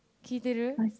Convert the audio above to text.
聴いてる。